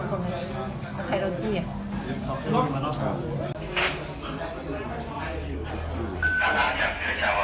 ขอบคุณครับ